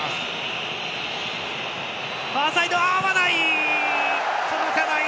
ファーサイド、合わない！